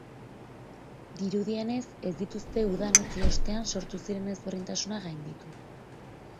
Dirudienez, ez dituzte udan utzi ostean sortu ziren ezberdintasunak gainditu.